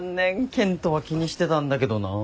健人は気にしてたんだけどな。